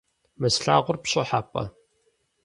Мы слъагъур пщӏыхьэпӏэ?